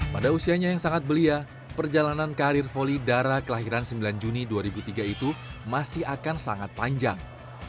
pada usianya yang sangat belia perjalanan karir voli dara kelahiran sembilan juni dua ribu tiga itu masih akan sangat panjang